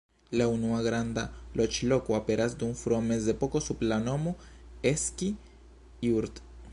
La unua granda loĝloko aperas dum frua mezepoko sub la nomo "Eski-Jurt".